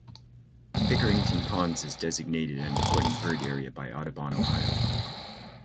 Pickerington Ponds is designated an Important Bird Area by Audubon Ohio.